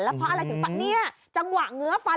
แล้วพ่ออะไรถึงฟันเนี่ยจังหวะเหงือฟัน